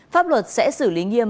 pháp luật sẽ xử lý nghiêm